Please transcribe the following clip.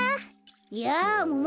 やあもも